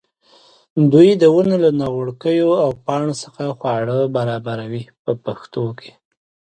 دوی د ونو له نغوړګیو او پاڼو څخه خواړه برابروي په پښتو کې.